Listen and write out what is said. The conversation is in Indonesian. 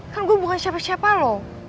kan gue bukan siapa siapa loh